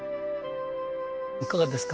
いかがですか？